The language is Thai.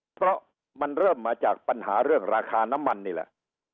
เพราะมันเริ่มมาจากปัญหาเรื่องราคาน้ำมันนี่แหละ